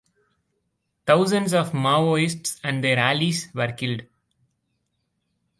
Thousands of Maoists and their allies were killed.